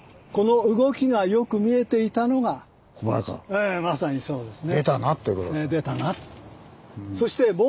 ええまさにそうですね。